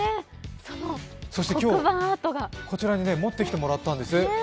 そして今日、こちらに持ってきてもらったんです。